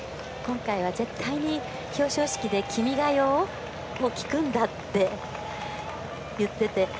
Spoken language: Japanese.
今回は絶対に表彰式で「君が代」を聴くんだと言っていて。